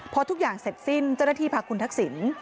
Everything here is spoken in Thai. พอทุกอย่างเสร็จสิ้นเจ้าหน้าที่พาคุณทักษิณ